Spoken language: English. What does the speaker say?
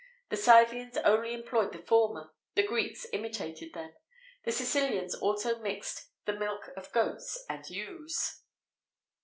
The Scythians only employed the former; the Greeks imitated them.[XVIII 44] The Sicilians also mixed the milk of goats and ewes.